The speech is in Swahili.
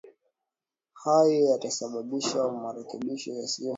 hayai yatasababisha marekebisho yasiyoridhisha kikamilifu na huenda